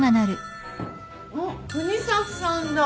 あっ國東さんだ。